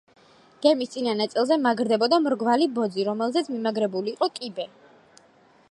გემის წინა ნაწილზე მაგრდებოდა მრგვალი ბოძი, რომელზეც მიმაგრებული იყო კიბე.